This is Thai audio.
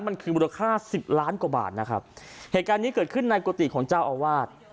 มันคือมูลค่าสิบล้านกว่าบาทนะครับเหตุการณ์นี้เกิดขึ้นในกุฏิของเจ้าอาวาส